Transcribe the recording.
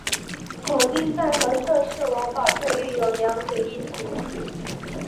孔令贻和侧室王宝翠育有二女一子。